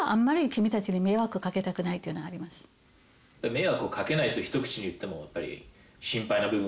「迷惑をかけない」とひと口に言ってもやっぱり。